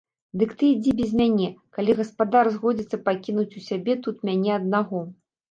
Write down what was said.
Дык ты ідзі без мяне, калі гаспадар згодзіцца пакінуць у сябе тут мяне аднаго.